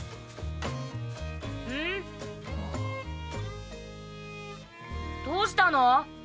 ん⁉どうしたの？